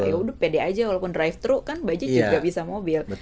ya udah pede aja walaupun drive thru kan budget juga bisa mobil